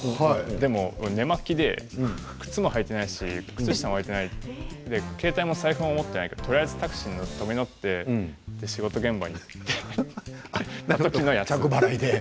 でも寝巻きで靴も履いていないし靴下もはいていない携帯も財布を持っていないけどとりあえずタクシーに飛び乗って仕事現場に行ったんです。